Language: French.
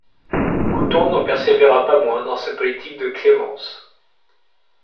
Couthon n'en persévéra pas moins dans sa politique de clémence.